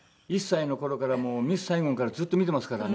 １歳の頃から『ミス・サイゴン』からずっと見てますからね。